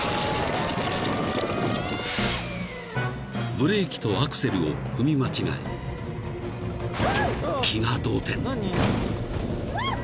［ブレーキとアクセルを踏み間違え気が動転］